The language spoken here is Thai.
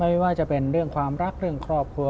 ไม่ว่าจะเป็นเรื่องความรักเรื่องครอบครัว